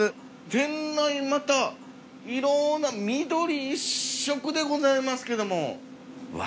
店内またいろんな緑一色でございますけども。